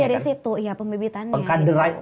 harapannya dari situ pembebitannya